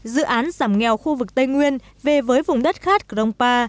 dự án giảm nghèo khu vực tây nguyên về với vùng đất khác krongpa